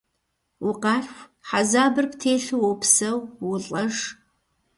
Укъалъху, хьэзабыр птелъу уопсэу, уолӏэж.